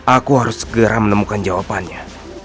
aku harus segera menemukan jawabannya